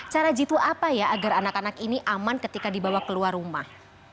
cara jitu apa ya agar anak anak ini aman ketika dibawa keluar rumah